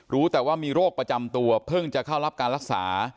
รู้แต่ว่ามีโรคประจำตัวเพิ่งจะเข้ารับการรักษา